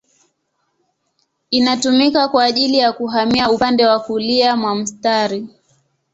Inatumika kwa ajili ya kuhamia upande wa kulia mwa mstari.